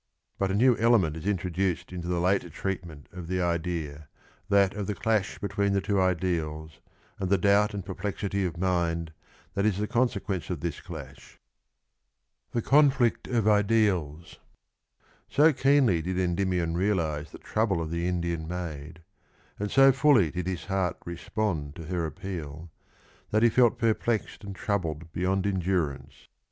But a new element is introduced into the later treatment of the idea, that of the clash between the two ideals, and the doubt and perplexity of mind that is the consequence of this clash. So keenly did Endymion realise the trouble of the Indian maid, and so fully did his heart respond to her appeal, that he felt perplexed and troubled beyond endurance.